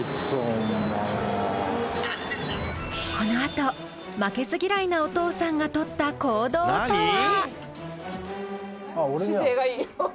このあと負けず嫌いなお父さんがとった行動とは？